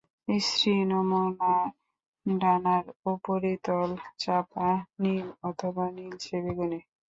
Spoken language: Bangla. স্ত্রী নমুনায় ডানার উপরিতল চাপা নীল অথবা নীলচে বেগুনি।